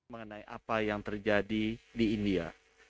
mengenai apa yang terjadi di india